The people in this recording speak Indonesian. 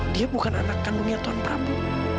dia bukan anak kandungnya tuhan prabu